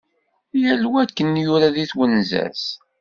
Yal wa akken yura deg twenza-s.